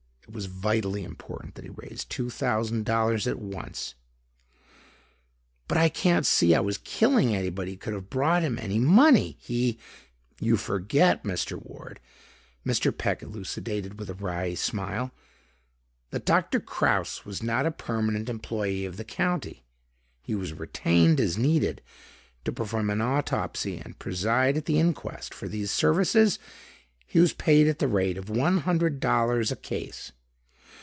It was vitally important that he raise two thousand dollars at once." "But I can't see how his killing anybody could have brought him any money. He...." "You forget, Mr. Ward," Mr. Peck elucidated with a wry smile, "that Doctor Kraus was not a permanent employee of the County. He was retained, as needed, to perform an autopsy and preside at the inquest. For these services, he was paid at the rate of one hundred dollars a case.